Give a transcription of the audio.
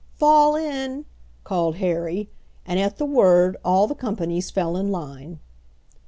"Fall in!" called Harry, and at the word all the companies fell in line.